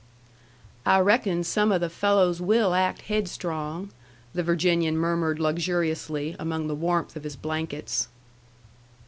"I reckon some of the fellows will act haidstrong," the Virginian murmured luxuriously, among the warmth of his blankets.